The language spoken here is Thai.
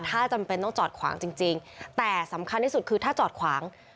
ถ้าจำเป็นต้องจอดขวางจริงแต่สำคัญที่สุดคือถ้าจอดขวาง